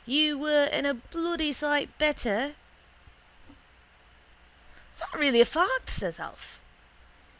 You were and a bloody sight better. —Is that really a fact? says Alf.